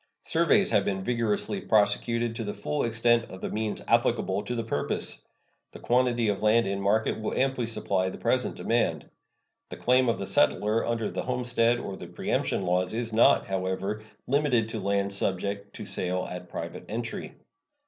Surveys have been vigorously prosecuted to the full extent of the means applicable to the purpose. The quantity of land in market will amply supply the present demand. The claim of the settler under the homestead or the preemption laws is not, however, limited to lands subject to sale at private entry.